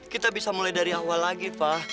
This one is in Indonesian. kita bisa mulai dari awal lagi pak